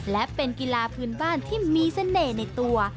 และเป็นกีฬาพื้นบ้านที่มีเสน่ห์ในตัว